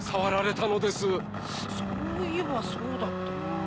そういえばそうだったな。